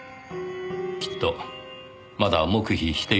きっとまだ黙秘しているでしょう。